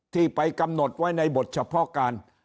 ที่ไปกำหนดไว้ในบทเฉพาะการ